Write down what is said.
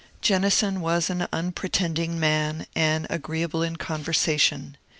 Jennison was an unpretend ing man, and agreeable in conversation.